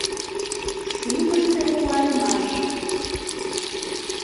Шӱмыштӧ куанымаш!